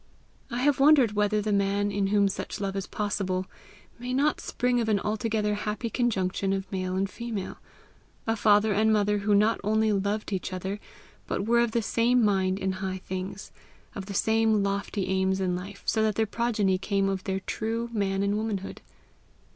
I have wondered whether the man in whom such love is possible, may not spring of an altogether happy conjunction of male and female a father and mother who not only loved each other, but were of the same mind in high things, of the same lofty aims in life, so that their progeny came of their true man and woman hood.